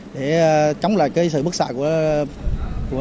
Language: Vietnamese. để chống lại sự bức xạ của nhà xưởng